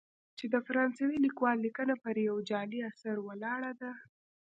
چې د فرانسوي لیکوال لیکنه پر یوه جعلي اثر ولاړه ده.